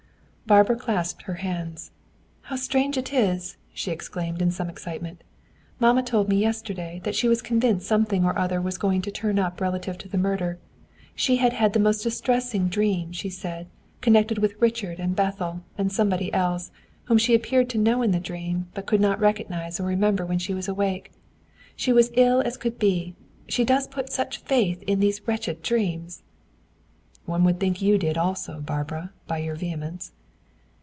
Barbara clasped her hands. "How strange it is!" she exclaimed, in some excitement. "Mamma told me, yesterday, that she was convinced something or other was going to turn up relative to the murder. She had had the most distressing dream, she said, connected with Richard and Bethel, and somebody else, whom she appeared to know in the dream, but could not recognize or remember when she was awake. She was as ill as could be she does put such faith in these wretched dreams." "One would think you did also, Barbara, by your vehemence."